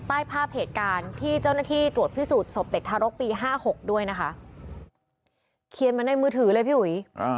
ใต้ภาพเหตุการณ์ที่เจ้าหน้าที่ตรวจพิสูจนศพเด็กทารกปีห้าหกด้วยนะคะเขียนมาในมือถือเลยพี่อุ๋ย